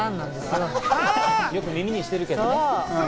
よく耳にしてるけどね。